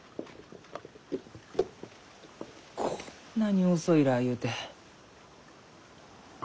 こんなに遅いらあゆうて。